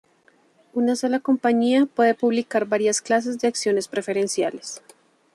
Una sola compañía puede publicar varias clases de acciones preferenciales.